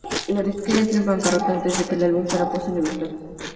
La disquera entró en bancarrota antes de que el álbum fuera puesto en libertad.